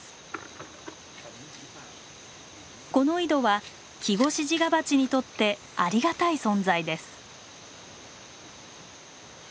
この井戸はキゴシジガバチにとってありがたい存在です。